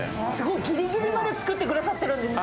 ギリギリまで作ってくださっているんですね。